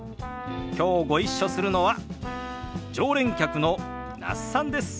きょうご一緒するのは常連客の那須さんです。